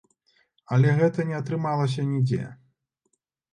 Але гэта не атрымалася нідзе.